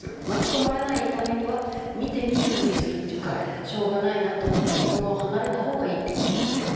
巻き込まれないためには見て見ぬふりするっていうかしょうがないなと思ってその場を離れたほうがいいって事ですか？